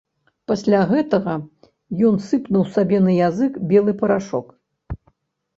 Пасля гэтага ён сыпнуў сабе на язык белы парашок.